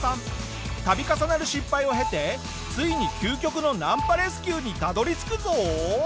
度重なる失敗を経てついに究極のナンパレスキューにたどり着くぞ！